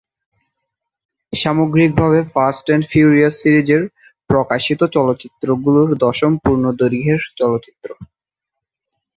সামগ্রিকভাবে Fast and Furious সিরিজের প্রকাশিত চলচ্চিত্রগুলোর দশম পূর্ণ দৈর্ঘ্যের চলচ্চিত্র।